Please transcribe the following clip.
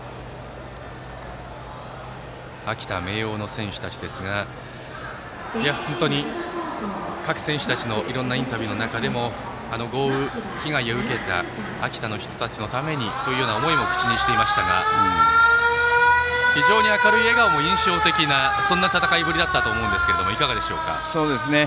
秋田・明桜の選手たちですが本当に各選手たちのいろんなインタビューの中でも豪雨被害を受けた秋田の人たちのためにという思いを口にしていましたが明るい笑顔も印象的なそんな戦いぶりだったと思うんですがいかがでしょうか。